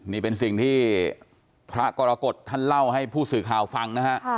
นี่เป็นสิ่งที่พระกรกฎท่านเล่าให้ผู้สื่อข่าวฟังนะฮะ